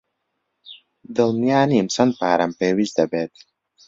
دڵنیا نیم چەند پارەم پێویست دەبێت.